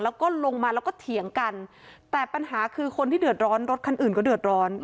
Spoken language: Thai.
แล้วก็ลงมาแล้วก็เถียงกันแต่ปัญหาคือคนที่เดือดร้อนรถคันอื่นก็เดือดร้อน